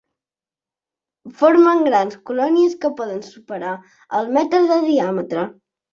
Formen grans colònies que poden superar el metre de diàmetre.